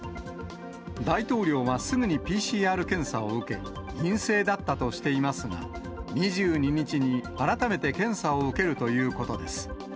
大統領はすぐにＰＣＲ検査を受け、陰性だったとしていますが、２２日に改めて検査を受けるということです。